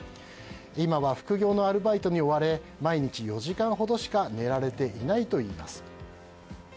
今は副業のアルバイトに追われ毎日４時間ほどしか寝られていないといいます。